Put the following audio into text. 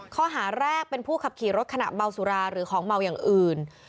ข้อหาแรกเป็นผู้ขับขี่รถขณะเมาสุราหรือของเมาอย่างอื่น